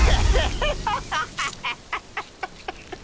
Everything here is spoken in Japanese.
ハハハハハ！